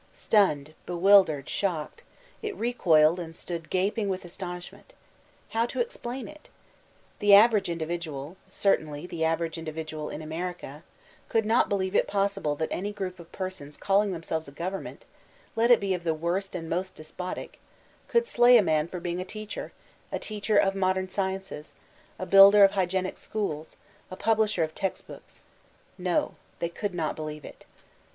Stunned, bewildered, shocked, it recoiled and stood gaping with astonishment. How to explain it? The average individual— certainly the average individual in America — could not believe it possible that any group of persons calling themselves a government, let it be of the worst and most despotic, could slay a man for being a teacher, a teacher of modem sciences, a builder of hygienic schools, a publisher of text books. No: they could not believe it.